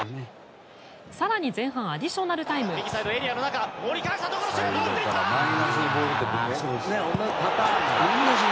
更に前半アディショナルタイムです。